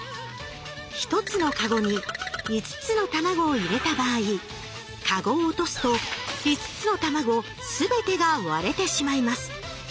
１つのカゴに５つの卵を入れた場合カゴを落とすと５つの卵すべてが割れてしまいます。